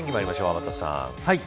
天達さん。